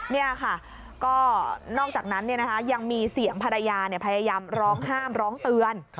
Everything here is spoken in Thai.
นี่ค่ะก็นอกจากนั้นยังมีเสียงภรรยาพยายามร้องห้ามร้องเตือน